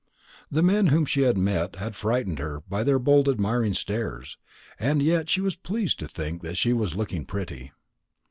The men whom she had met had frightened her by their bold admiring stares; and yet she was pleased to think that she was looking pretty.